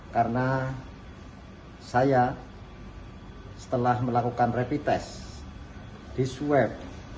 karena saya setelah melakukan rapid test di swab